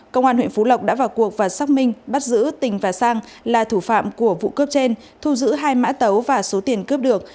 công an huyện phú lộc đã vào cuộc và xác minh bắt giữ tình và sang là thủ phạm của vụ cướp trên thu giữ hai mã tấu và số tiền cướp được